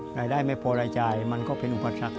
ไหนได้ไม่พอรายจ่ายมันก็เป็นอุปัติศักดิ์